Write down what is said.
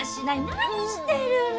何してるの！